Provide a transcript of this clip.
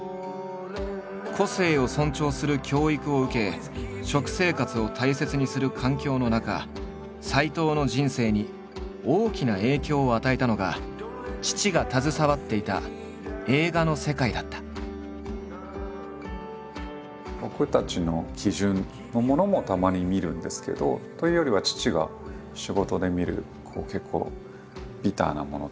個性を尊重する教育を受け食生活を大切にする環境の中斎藤の人生に大きな影響を与えたのが僕たちの基準のものもたまに見るんですけどというよりは父が仕事で見る結構ビターなものとか。